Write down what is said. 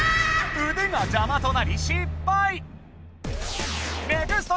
うでがじゃまとなり失敗！